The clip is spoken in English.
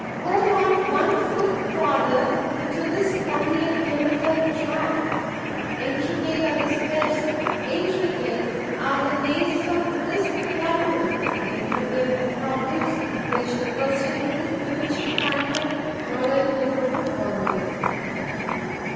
—go not one foot farther into this thorny and bewildered track,—intricate are the steps! intricate are the mazes of this labyrinth! intricate are the troubles which the pursuit of this bewitching phantom KNOWLEDGE will bring upon thee.